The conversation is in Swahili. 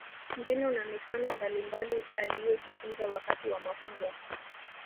Mbinu na mifano mbalimbali aliyojifunza wakati wa mafunzo